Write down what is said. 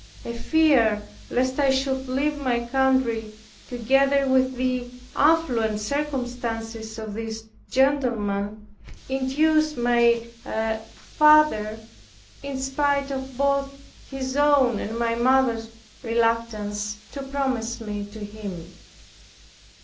A fear lest I should leave my country, together with the affluent circumstances of this gentleman, induced my father, in spite of both his own and my mother's reluctance, to promise me to him.